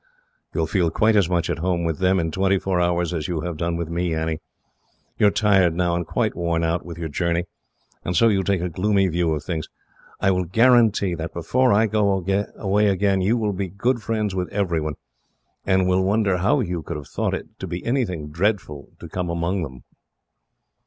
"You will feel quite as much at home with them, in twenty four hours, as you have done with me, Annie. You are tired now, and quite worn out with your journey, and so you take a gloomy view of things. I will guarantee that, before I go away again, you will be good friends with everyone, and will wonder how you could have thought it to be anything dreadful to come among them."